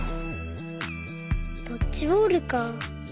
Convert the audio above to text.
ドッジボールか。